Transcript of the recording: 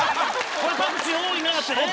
「これパクチー多いな」って。